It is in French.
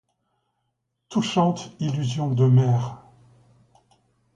Touchante illusion de mère!